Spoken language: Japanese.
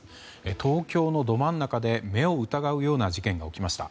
東京のど真ん中で目を疑うような事件が起きました。